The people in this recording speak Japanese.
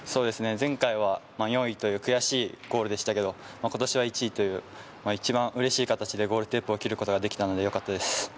前回は４位という悔しいゴールでしたが、今年は１位という一番うれしい形でゴールテープを切ることができたのでよかったです。